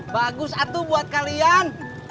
bagus atu buat kalian